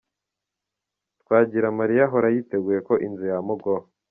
Twagiramariya ahora yiteguye ko inzu yamugwaho.